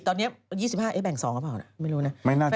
ตอนนี้๒๕ล้านบาทเอ๊ะแบ่งสองหรือเปล่า